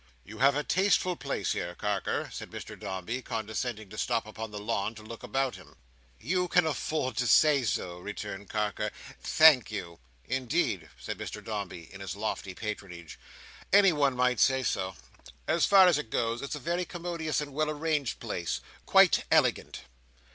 "You have a tasteful place here, Carker," said Mr Dombey, condescending to stop upon the lawn, to look about him. "You can afford to say so," returned Carker. "Thank you." "Indeed," said Mr Dombey, in his lofty patronage, "anyone might say so. As far as it goes, it is a very commodious and well arranged place—quite elegant."